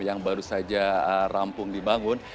yang baru saja rampung dibangun